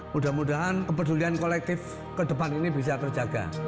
mudah mudahan kepedulian kolektif ke depan ini bisa terjaga